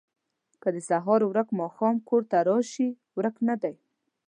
ـ که د سهار ورک ماښام کور ته راشي ورک نه دی